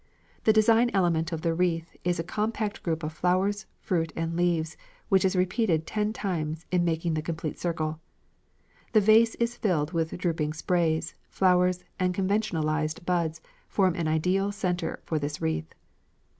The design element of the wreath is a compact group of flowers, fruit, and leaves, which is repeated ten times in making the complete circle. The vase filled with drooping sprays, flowers, and conventionalized buds forms an ideal centre for this wreath.